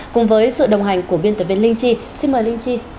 cùng với sự đồng hành của biên tập viên linh chi xin mời linh chi